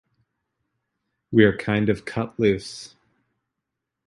We're kind of cut loose.